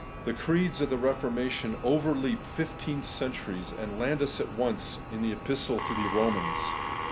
The creeds of . the Eeformation overleap fifteen centuries, and land us at once in the Epistle to the Eomans.